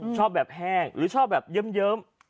ชอบแบบแห้งหรือชอบแบบเยิ้ม